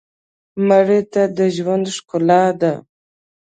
مړه ته د ژوند ښکلا ده